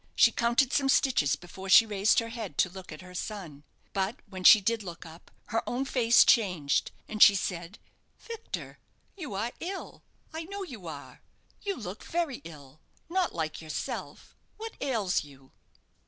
She counted some stitches before she raised her head to look at her son. But when she did look up, her own face changed, and she said, "Victor, you are ill. I know you are. You look very ill not like yourself. What ails you?"